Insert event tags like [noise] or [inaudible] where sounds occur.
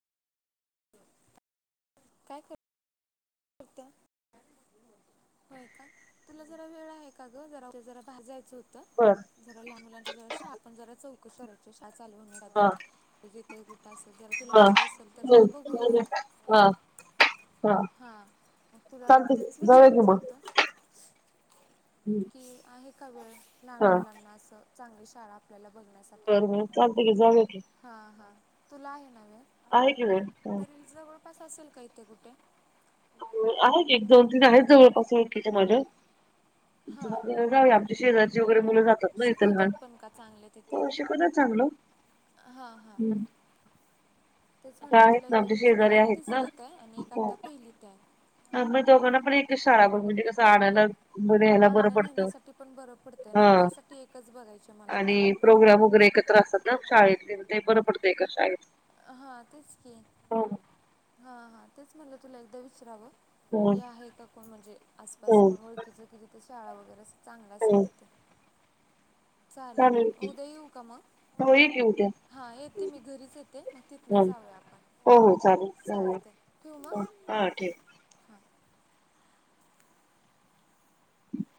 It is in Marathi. काय कर होय का तुला जरा वेळ आहे का ग जरा जरा ते भाजायचं होतं बर जरा लहान मुलांच्या जवळ शाळत पण जरा चौकशी करायची होती शाळा चालू होण्या आधी हा ती तिथ अस जरा तुला माहिती असेल तर हम्म जरा बघूया हा हा हां मग तुला चालतंय तेच की जाऊया की विचारायचं मग होतं कि आहे का वेळ लहान हा मुलाना असं चांगली शाळा आपल्याला बघण्यासाठी बर बर.. चालतय की जाऊया कि हा हा तुला आहे ना वेळ आहे की वेळ तरी जवळपास असेल का इथे कुठे ्हम्म.. आहे की एक दोन तीन आहेत जवळपास ओळखीच्या मझ्या हां जाऊया आमच्या शेजारची वगैरे मुलं जातात ना इथ शिकवतात लहान... पण का चांगले तिथे हो शिकवतात. चांगलं. हां हां तेच आता म्हणलं तुला आहेत ना एकदा आमच्या विचाराव शेजारी एक आहेत ना तिसरीत आहे आणि एक आता पहिलीत आहे ह मग दोघांना पण एक शाळा बघ म्हणजे कसं आणायला न्यायला बरं आणण्या पडतं नेण्यासाठी पण बरं पडतय हा ना त्यासाठी एकच बघायचिय मला पण आणि प्रोग्राम वगैरे एकत्र असतात ना शाळेतले ते बरं पडतय एकाच शाळेत. अ हा तेच की हो हा हा तेच म्हटलं तुला एकदा विचारवं हो की आहे का कोण म्हणजे हो आसपास कोण वळ बाकीच की जिथे शाळा वगैरे अस चांगल हो असेल तिथे. चालेल उद्या येऊ का मग हो ये की उद्या हा येते मी घरीच येते मग तिथनं जाऊया आपण हो हो चालेल चाले चालतंय ठेवू मग? हां ठीक. हां. हम्. [inaudible]